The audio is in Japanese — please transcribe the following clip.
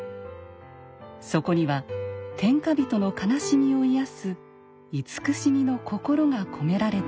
そこには天下人の悲しみを癒やす慈しみの心が込められていたのです。